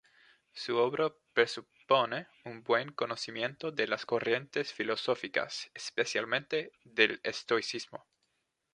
Su obra presupone un buen conocimiento de las corrientes filosóficas, especialmente del estoicismo.